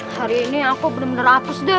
hari ini aku bener bener hapus deh